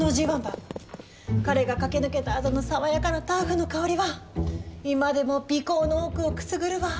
彼が駆け抜けたあとの爽やかなターフの香りは今でも鼻こうの奥をくすぐるわ。